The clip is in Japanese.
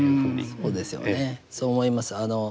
そうですよねそう思います。